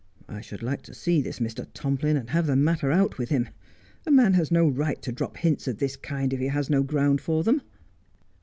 I should like to see this Mr. Tomplin and have the matter out with him. A man has no right to drop hints of this kind if he has no ground for them.'